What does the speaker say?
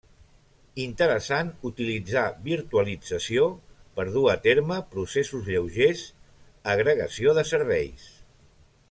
Interessant utilitzar virtualització per dur a terme processos lleugers, agregació de serveis.